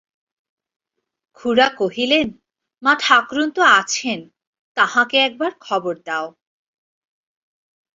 খুড়া কহিলেন, মাঠাকরুন তো আছেন, তাঁহাকে একবার খবর দাও।